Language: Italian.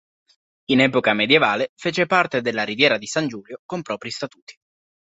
In epoca medievale fece parte della Riviera di San Giulio con propri statuti.